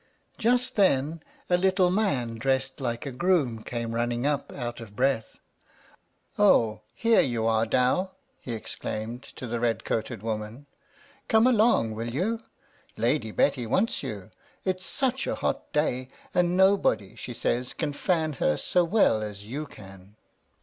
Just then a little man, dressed like a groom, came running up, out of breath. "Oh, here you are, Dow!" he exclaimed to the red coated woman. "Come along, will you? Lady Betty wants you; it's such a hot day, and nobody, she says, can fan her so well as you can."